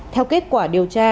theo kết quả điều tra